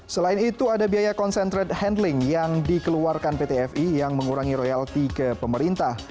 selain itu ada biaya konsentrat handling yang dikeluarkan pt fi yang mengurangi royalti ke pemerintah